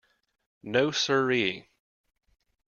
No-sir-ee.